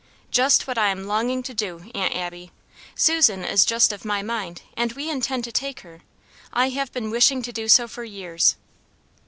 "Just what I am longing to do, Aunt Abby. Susan is just of my mind, and we intend to take her; I have been wishing to do so for years."